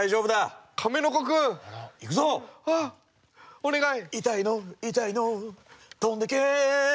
お願い！